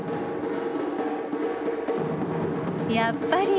やっぱり。